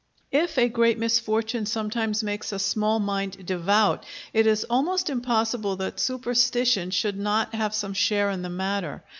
If a great misfortune sometimes makes a small mind devout, it is almost impossible that superstition should not have some share in the matter.